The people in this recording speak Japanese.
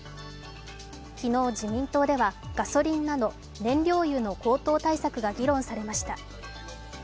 昨日、自民党ではガソリンなど燃料油の高騰対策が議論されました。